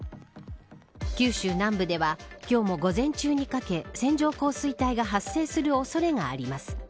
九州南部では今日も午前中にかけ線状降水帯が発生する恐れがあります。